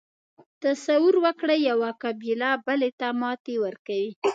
تصور وکړئ یوه قبیله بلې ته ماتې ورکوي.